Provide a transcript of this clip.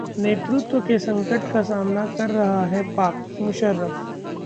नेतृत्व के संकट का सामना कर रहा है पाक: मुशर्रफ